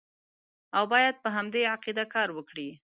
او باید په همدې عقیده کار وکړي.